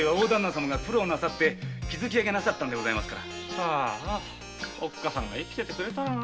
ああおっ母さんが生きててくれたらなあ。